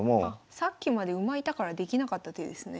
さっきまで馬いたからできなかった手ですね。